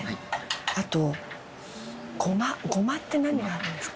あとごまごまって何があるんですか？